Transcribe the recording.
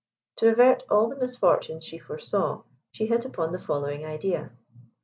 To avert all the misfortunes she foresaw, she hit upon the following idea.